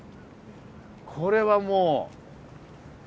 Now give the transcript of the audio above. これはもう。